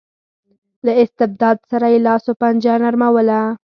له استبداد سره یې لاس و پنجه نرموله.